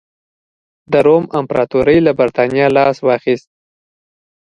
د روم امپراتورۍ له برېټانیا لاس واخیست.